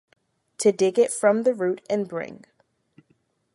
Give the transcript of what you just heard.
to dig it from the root and bring